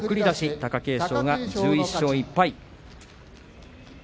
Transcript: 貴景勝は１１勝１敗。